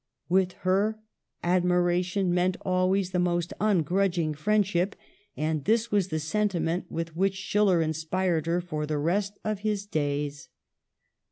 With her, admiration meant always the most ungrudging friendship ; and this was the sentiment with which Schiller inspired her for the rest of his days.